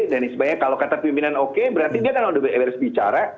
dan sebenarnya kalau kata pimpinan oke berarti dia kan sudah berbicara